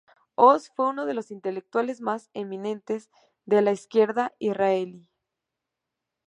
Oz fue uno de los intelectuales más eminentes de la izquierda israelí.